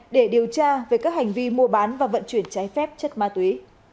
để điều tra về các hành vi mua bán và vận chuyển trái phép chất ma túy